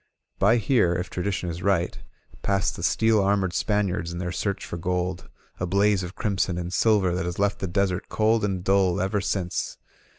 By here, if tradi tion is right, passed the steel armored Spaniards in their search for gold, a blaze of crimson and silver that has left the desert cold and dull ever since.